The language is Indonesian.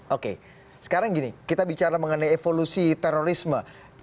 oke sekarang gini kita bicara mengenai evolusi terorisme